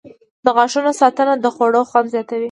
• د غاښونو ساتنه د خوړو خوند زیاتوي.